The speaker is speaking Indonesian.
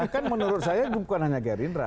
kan menurut saya bukan hanya gerindra